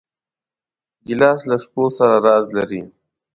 ګیلاس له شپو سره راز لري.